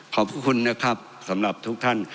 ขอบคุณนะครับสำหรับทุกท่าน